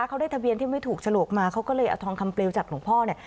เขาได้ทะเบียนที่ไม่ถูกฉลวกมาเขาก็เลยเอาทองคำเปลวจากหลวงพ่อเนี่ย